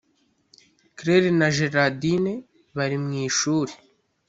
claire na gerardine bari mu ishuri.